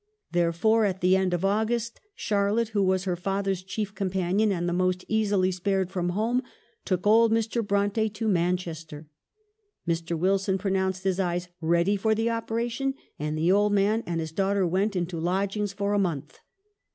There fore, at the end of August, Charlotte, who was her father's chief companion and the most easily spared from home, took old Mr. Bronte to Man chester. Mr. Wilson pronounced his eyes ready for the operation, and the old man and his daughter went into lodgings for a month.